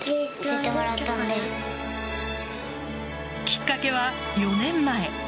きっかけは４年前。